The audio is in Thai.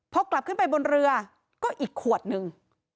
พอกลับขึ้นไปบนเรือก็อีกขวดนึง